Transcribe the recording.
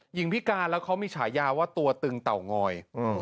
พิการแล้วเขามีฉายาว่าตัวตึงเต่างอย